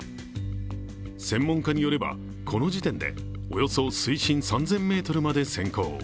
専門家によれば、この時点でおよそ水深３０００ｍまで潜航。